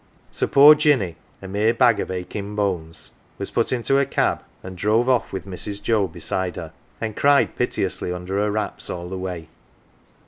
"" So poor Jinny a mere bag of aching bones was put into a cab, and drove oft* with Mrs. Joe beside her, and cried piteously under her wraps all the way.